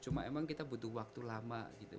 cuma emang kita butuh waktu lama gitu